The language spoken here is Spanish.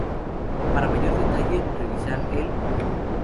Para mayor detalle revisar el